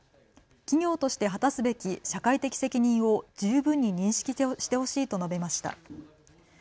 企業として果たすべき社会的責任を十分に認識してほしいと述べました。